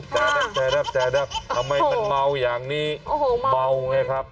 จ้าดับจ้าดับจ้าดับทำไมมันเมาอย่างนี้โอ้โหเมาไงครับ